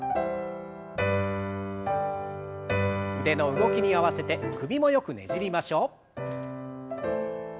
腕の動きに合わせて首もよくねじりましょう。